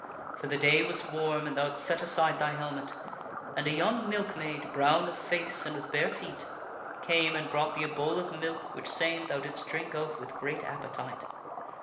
For the day was warm and thou hadst set aside thy helmet, and a young milkmaid, brown of face and with bare feet, came and brought thee a bowl of milk, which same thou didst drink of with great appetite.